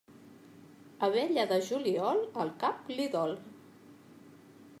Abella de juliol, el cap li dol.